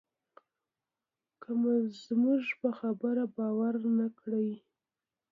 که زموږ په خبره باور نه کړې.